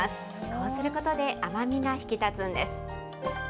こうすることで甘みが引き立つんです。